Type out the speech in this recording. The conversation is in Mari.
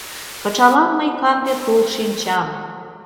Кычалам мый канде тул шинчам.